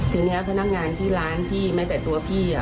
คือเนี้ยพนักงานที่ร้านที่ไม่แต่ตัวพี่อะ